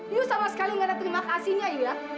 ibu sama sekali nggak ada terima kasihnya ibu ya